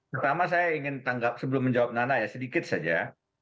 pertama saya ingin tanggap sebelum menjawab nana ya sedikit saja